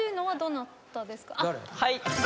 はい。